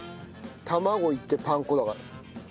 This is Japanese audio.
卵いってパン粉だから。